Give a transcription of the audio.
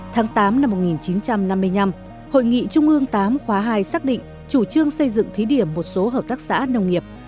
tháng tám năm một nghìn chín trăm năm mươi năm hội nghị trung ương viii khóa ii xác định chủ trương xây dựng thí điểm một số hợp tác xã nông nghiệp